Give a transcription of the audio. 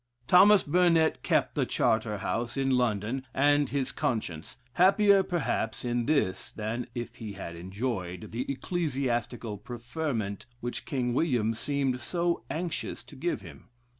Thomas Burnet kept the Charter House, in London, and his conscience happier, perhaps, in this than if he had enjoyed the ecclesiastical preferment which King William seemed so anxious to give him.